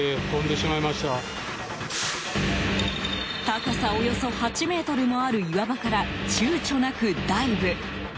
高さおよそ８ｍもある岩場から躊躇なくダイブ。